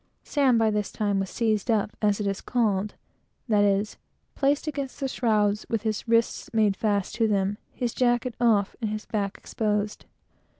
Sam by this time was seized up, as it is called, that is, placed against the shrouds, with his wrists made fast to the shrouds, his jacket off, and his back exposed.